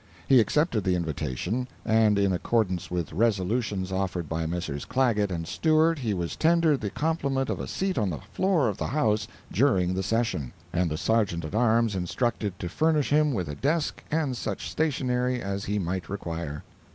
He accepted the invitation, and in accordance with resolutions offered by Messrs. Clagett and Stewart, he was tendered the compliment of a seat on the floor of the House during the session, and the Sergeant at Arms instructed to furnish him with a desk and such stationery as he might require.